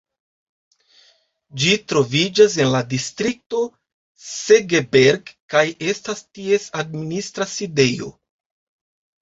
Ĝi troviĝas en la distrikto Segeberg, kaj estas ties administra sidejo.